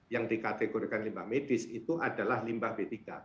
yang dikategorikan limbah medis itu adalah limbah b tiga